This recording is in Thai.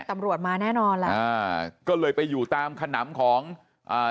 ตำรวจมาแน่นอนล่ะอ่าก็เลยไปอยู่ตามขนำของอ่า